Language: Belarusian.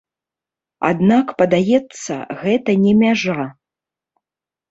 Аднак падаецца, гэта не мяжа.